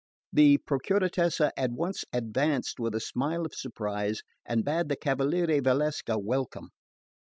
The Procuratessa at once advanced with a smile of surprise and bade the Cavaliere Valsecca welcome.